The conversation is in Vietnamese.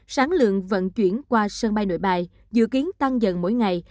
sáng lượng vận chuyển qua sân bay nội bài dự kiến tăng dần mỗi ngày